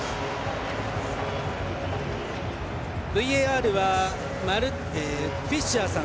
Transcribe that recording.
ＶＡＲはフィッシャーさん。